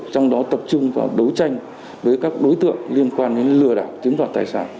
trong đó tập trung vào đấu tranh với các đối tượng liên quan đến lừa đảo chiếm đoạt tài sản